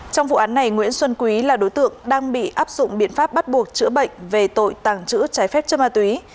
trong vụ án này nguyễn xuân quý là đối tượng đang bị áp dụng biện pháp bắt buộc chữa bệnh về tội tàng trữ trái phép chân ma túy